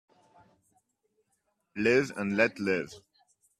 Live and let live.